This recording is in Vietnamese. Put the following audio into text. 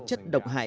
chất độc hại